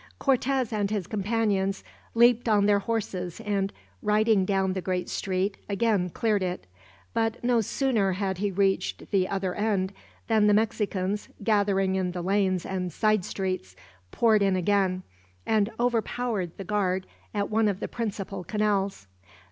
Cortez and his companions leaped on their horses and, riding down the great street, again cleared it. But no sooner had he reached the other end than the Mexicans, gathering in the lanes and side streets, poured in again, and overpowered the guard at one of the principal canals.